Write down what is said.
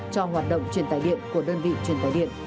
cho hoạt động truyền tài điện của đơn vị truyền tài điện